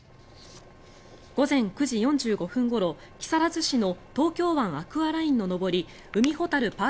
午前９時４５分ごろ木更津市の東京湾アクアラインの上り海ほたる